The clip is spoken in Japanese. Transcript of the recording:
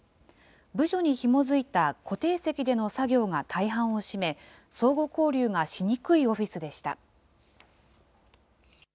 部署にひも付いた固定席での作業が大半を占め、相互交流がしにくいオフィスでした。